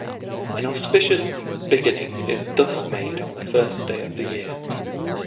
An auspicious beginning is thus made on the first day of the year.